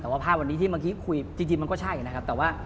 แต่ว่าภาพวันนี้ที่เมื่อกี้คุยจริงมันก็ใช่นะครับแต่ว่า